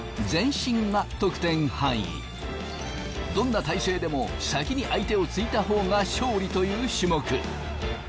どんな体勢でも先に相手を突いた方が勝利という種目。